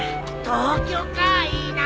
東京かいいな。